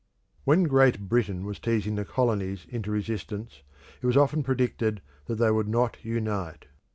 When Great Britain was teasing the colonies into resistance, it was often predicted that they would not unite.